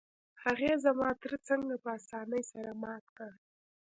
هغې زما تره څنګه په اسانۍ سره مات کړ؟